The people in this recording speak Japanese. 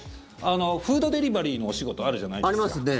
フードデリバリーのお仕事あるじゃないですか。